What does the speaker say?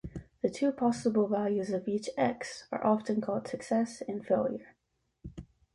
The two possible values of each "X" are often called "success" and "failure".